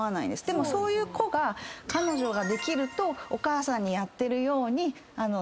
でもそういう子が彼女ができるとお母さんにやってるようにネガティブなことを言って。